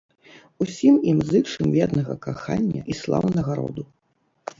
Усім ім зычым вернага кахання і слаўнага роду.